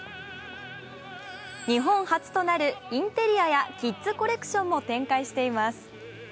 日本初となるインテリアやキッズコレクションも展開しています。